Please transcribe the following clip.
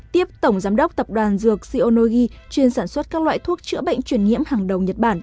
tiếp tổng giám đốc tập đoàn dược siêu chuyên sản xuất các loại thuốc chữa bệnh truyền nhiễm hàng đầu nhật bản